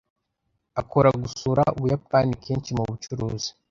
Akora gusura Ubuyapani kenshi mubucuruzi.